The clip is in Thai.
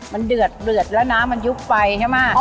มันเดือดแล้วน้ำมันยุบไปใช่ไหม